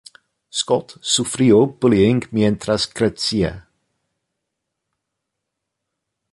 Scott sufrió bullying mientras crecía.